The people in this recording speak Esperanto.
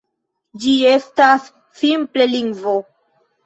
Ĝi estas simple lingvo.